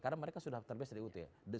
karena mereka sudah terbiasa di ut ya